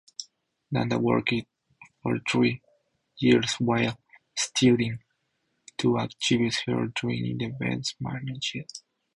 Dhanda worked for three years while studying to achieve her degree in events management.